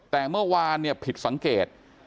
แต่เมื่อวานเนี่ยผิดสังเกต